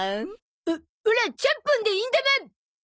オオラちゃんぽんでいいんだもん！